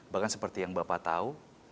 bahkan seperti yang bapak tahu